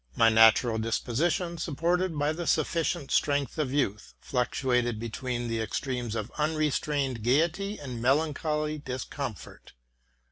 My natural disposition, supported by the sufficient strength of youth, fluctuated between the ex tremes of unrestrained gayety and melancholy discomfort.